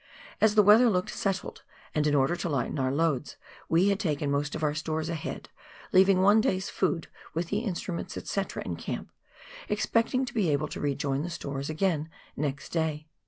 As the weather looked settled, and in order to lighten our loads, we had taken most of our stores ahead, leaving one day's food with the instru ments, &c., in camp, expecting to be able to rejoin the stores acain next day.